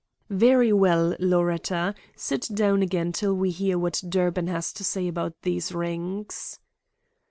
"Very well, Loretta, sit down again till we hear what Durbin has to say about these rings."